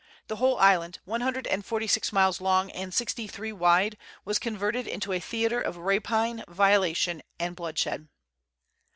The whole island, one hundred and forty six miles long and sixty three wide, was converted into a theatre of rapine, violation, and bloodshed.